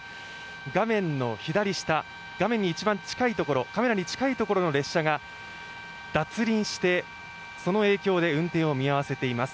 画面の左下、カメラに一番近いところの列車が脱輪してその影響で運転を見合わせています。